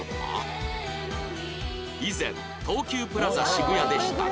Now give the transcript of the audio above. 以前東急プラザ渋谷でしたが